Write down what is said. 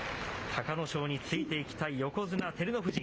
隆の勝についていきたい、横綱・照ノ富士。